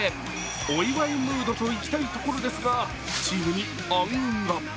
お祝いムードといきたいところですが、チームに暗雲が。